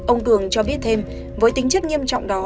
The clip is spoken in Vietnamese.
ông cường cho biết thêm với tính chất nghiêm trọng đó